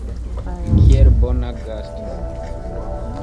Kiel bona gasto.